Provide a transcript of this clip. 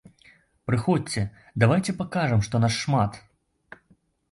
Прыходзьце, давайце пакажам, што нас шмат.